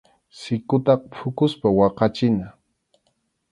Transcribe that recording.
Sikutaqa phukuspa waqachina.